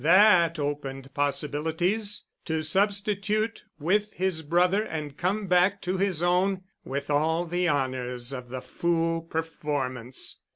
That opened possibilities—to substitute with his brother and come back to his own—with all the honors of the fool performance!